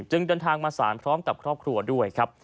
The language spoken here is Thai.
จึงเดินทางมาศาลความพร้อมกับครอบครัวด้วย